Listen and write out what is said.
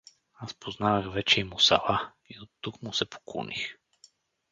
Аз познах вече и Мусала, и от тук му се поклоних.